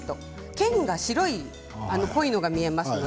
けんが白い、濃いのが見えますね。